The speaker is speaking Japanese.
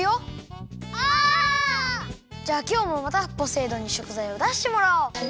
じゃあきょうもまたポセイ丼にしょくざいをだしてもらおう！